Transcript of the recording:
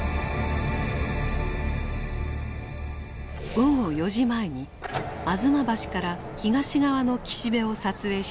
午後４時前に吾妻橋から東側の岸辺を撮影した映像。